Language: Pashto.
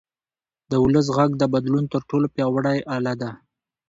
د ولس غږ د بدلون تر ټولو پیاوړی اله ده